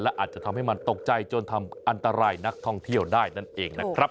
อาจจะทำให้มันตกใจจนทำอันตรายนักท่องเที่ยวได้นั่นเองนะครับ